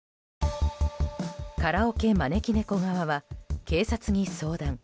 カラオケまねきねこ側は警察に相談。